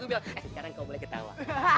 sekarang kau boleh ketawa